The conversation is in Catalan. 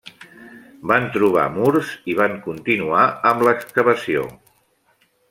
Van trobar murs i van continuar amb l'excavació.